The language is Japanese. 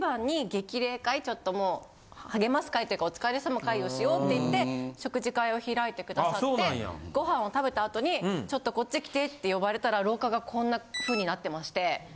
励ます会というかお疲れ様会をしようって言って食事会を開いてくださってご飯を食べた後にちょっとこっち来てって呼ばれたら廊下がこんなふうになってまして。